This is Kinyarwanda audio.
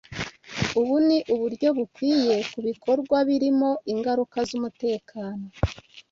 Ubu ni uburyo bukwiye kubikorwa birimo ingaruka z'umutekano